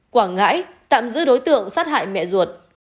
quảng ngãi tạm giữ đối tượng sát hại mẹ ruột